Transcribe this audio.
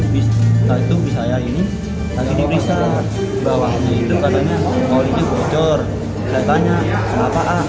bisa bisa ini lagi diperiksa bawahnya itu katanya kalau ini bocor tanya kenapa